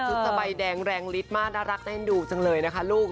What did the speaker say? ลับชุดสบายแดงแรงริดมาน่ารักได้นิดหน่อยนะคะลูก